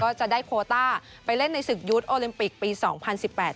ก็จะได้โคต้าไปเล่นในศึกยุทธ์โอลิมปิกปีสองพันสิบแปด